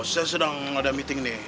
saya sedang ada meeting nih